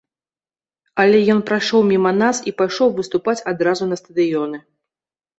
Але ён прайшоў міма нас і пайшоў выступаць адразу на стадыёны.